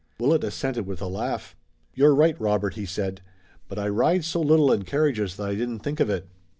Willet assented with a laugh. "You're right, Robert," he said, "but I ride so little in carriages that I didn't think of it."